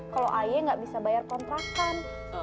kalau ayah nggak bisa bayar kontrakan